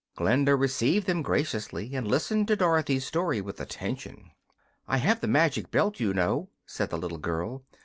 Glinda received them graciously, and listened to Dorothy's story with attention. "I have the magic belt, you know," said the little girl.